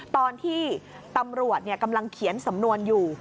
ตอนที่ตำรวจกำลังเขียนสำนวนอยู่